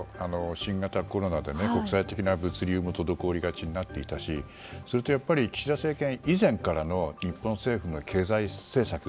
新型コロナで国際的な物流も滞りがちになっていたしそれと、岸田政権以前からの日本政府の経済政策。